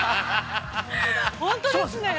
◆本当ですね。